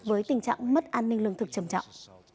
với tình trạng mất an ninh lương thực trầm trọng